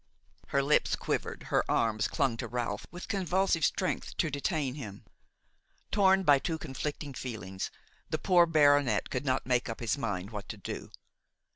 Her lips quivered, her arms clung to Ralph with convulsive strength, to detain him. Torn by two conflicting feelings, the poor baronet could not make up his mind what to do.